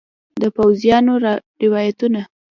د پوځیانو روایتونه